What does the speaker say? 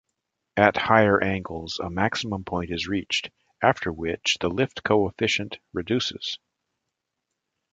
At higher angles a maximum point is reached, after which the lift coefficient reduces.